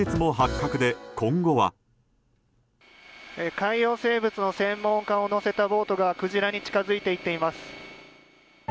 海洋生物の専門家を乗せたボートがクジラに近づいていっています。